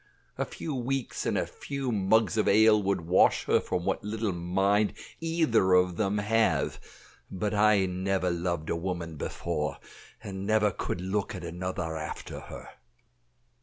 A few weeks, and a few mugs of ale would wash her from what little mind either of them have; but I never loved a woman before, and never could look at another after her."